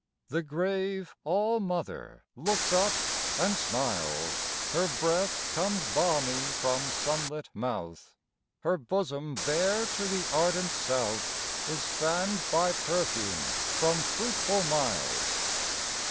The grave All Mother looks up and smiles, Her breath comes balmy from sunlit mouth, Her bosom bare to the ardent south Is fanned by perfume from fruitful miles.